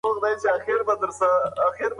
هغه د خوب په کوټه کې د تېر وخت یادونه لټوي.